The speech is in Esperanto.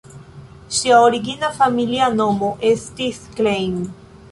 Ŝia origina familia nomo estis "Klein".